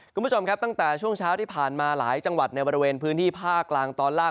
คุณผู้ชมครับตั้งแต่ช่วงเช้าที่ผ่านมาหลายจังหวัดในบริเวณพื้นที่ภาคกลางตอนล่าง